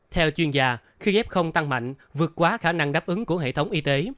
theo chuyên gia khi f tăng mạnh vượt quá khả năng đáp ứng của hệ thống y tế